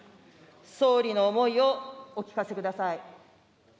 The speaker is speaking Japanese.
総理の思いをお聞かせください。